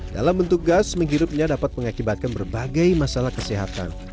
dalam bentuk gas menghirupnya dapat mengakibatkan berbagai masalah kesehatan